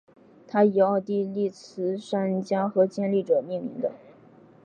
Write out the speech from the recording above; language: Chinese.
它以奥地利慈善家和建立者命名的。